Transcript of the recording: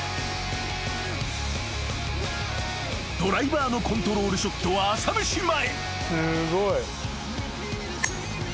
［ドライバーのコントロールショットは朝飯前］